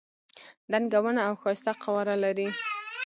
دنګه ونه او ښایسته قواره لري.